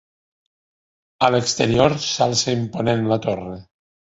A l'exterior s'alça imponent la torre.